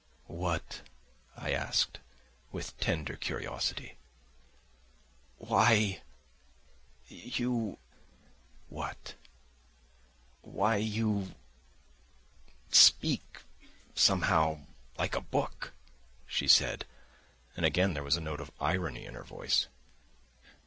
"What?" I asked, with tender curiosity. "Why, you..." "What?" "Why, you ... speak somehow like a book," she said, and again there was a note of irony in her voice.